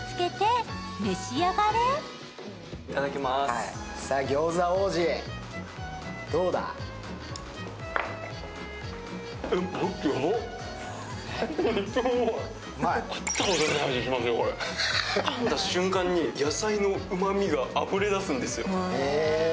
かんだ瞬間に野菜のうまみがあふれ出すんですよ。